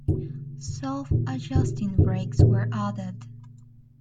Self-adjusting brakes were added.